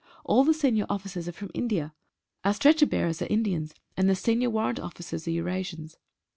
All the senior officers are from India. Our stretcher bearers are Indians, and the Senior Warrant Officers are Eurasians.